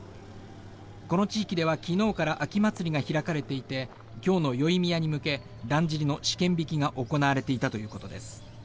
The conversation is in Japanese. この地域では昨日から秋祭りが開かれていて今日の宵宮に向けだんじりの試験引きが行われていたということです。